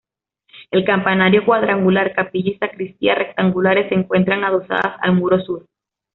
El campanario cuadrangular, capilla y sacristía rectangulares se encuentran adosadas al muro sur.